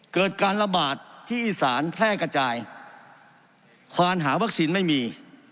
เกิดการระบาดที่อีสานแพร่กระจายควานหาวัคซีนไม่มี